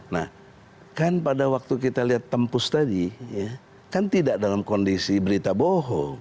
nah kan pada waktu kita lihat tempus tadi kan tidak dalam kondisi berita bohong